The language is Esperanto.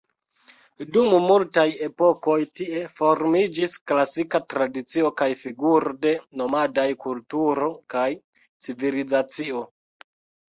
Dum multaj epokoj tie formiĝis klasika tradicio kaj figuro de nomadaj kulturo kaj civilizacio.